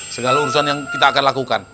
segala urusan yang kita akan lakukan